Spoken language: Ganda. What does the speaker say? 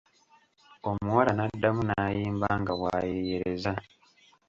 Omuwala naddamu naayimba nga bw'abayeyereza.